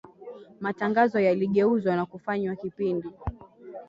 Matangazo yaligeuzwa na kufanywa kipindi